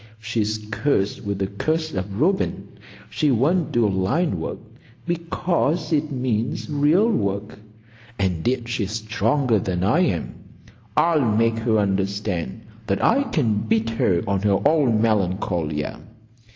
She's cursed with the curse of Reuben. She won't do line work, because it means real work; and yet she's stronger than I am. I'll make her understand that I can beat her on her own Melancolia.